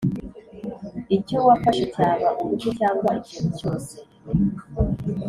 Icyo wafashe cyaba uruhu cyangwa ikintu cyose